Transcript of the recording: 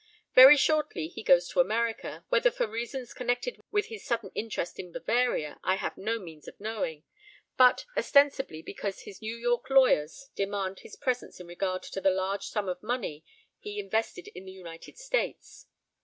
Very shortly he goes to America, whether for reasons connected with his sudden interest in Bavaria, I have no means of knowing, but ostensibly because his New York lawyers demand his presence in regard to the large sum of money he invested in the United States.